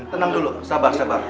tenang dulu sabar sabar